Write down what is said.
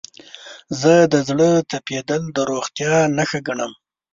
زه د زړه تپیدل د روغتیا نښه ګڼم.